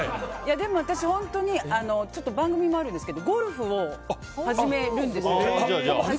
私、本当に番組もあるんですけどゴルフを始めるんですよ。